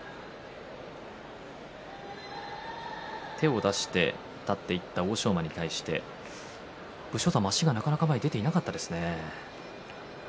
手を出して立っていった欧勝馬に対して武将山はなかなか足が前に出ていかなかったですね。